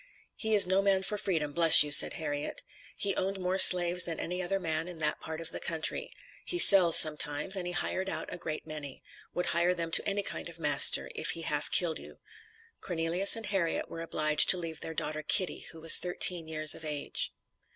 "He is no man for freedom, bless you," said Harriet. "He owned more slaves than any other man in that part of the country; he sells sometimes, and he hired out a great many; would hire them to any kind of a master, if he half killed you." Cornelius and Harriet were obliged to leave their daughter Kitty, who was thirteen years of age.